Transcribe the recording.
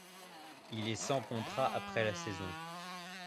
Il est sans contrat après la saison.